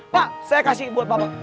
pak saya kasih buat bapak